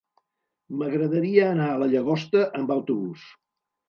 M'agradaria anar a la Llagosta amb autobús.